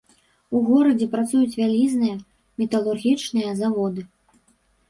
У горадзе працуюць вялізныя металургічныя заводы.